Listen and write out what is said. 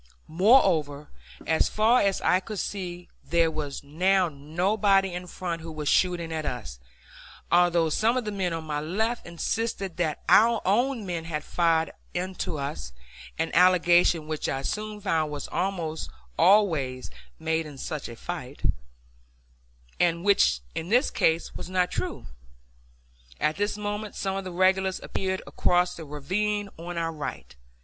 Moreover, as far as I could see, there was now nobody in front who was shooting at us, although some of the men on my left insisted that our own men had fired into us an allegation which I soon found was almost always made in such a fight, and which in this case was not true. At this moment some of the regulars appeared across the ravine on our right.